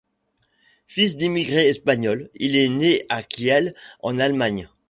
Fils d'immigrés espagnols, il est né à Kiel en Allemagne.